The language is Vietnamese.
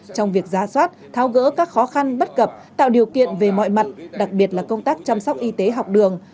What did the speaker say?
trong việc giá soát thao gỡ các khó khăn bất cập tạo điều kiện về mọi mặt đặc biệt là công tác chăm sóc y tế học đường